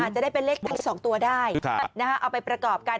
อาจจะได้เป็นเลขสองตัวได้ค่ะนะฮะเอาไปประกอบกัน